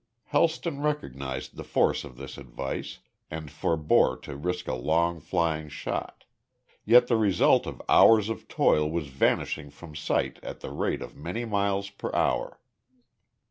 Helston recognised the force of this advice, and forebore to risk a long, flying shot. Yet the result of hours of toil was vanishing from sight at the rate of many miles per hour.